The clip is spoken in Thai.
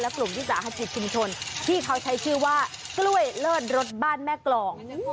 กลุ่มวิสาหกิจชุมชนที่เขาใช้ชื่อว่ากล้วยเลิศรสบ้านแม่กรอง